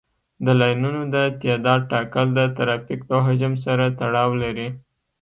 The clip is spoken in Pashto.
د لاینونو د تعداد ټاکل د ترافیک د حجم سره تړاو لري